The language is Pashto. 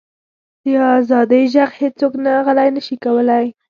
د ازادۍ ږغ هیڅوک غلی نه شي کولی.